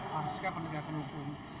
pasca penegakan hukum